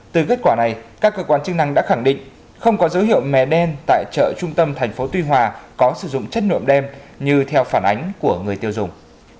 từ kết quả này các cơ quan chức năng đã khẳng định không có dấu hiệu mè đen tại chợ trung tâm thành phố tuy hòa có sử dụng chất lượng đen như theo phản ánh của người tiêu dùng